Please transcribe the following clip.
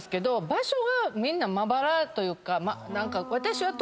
場所がみんなまばらというか。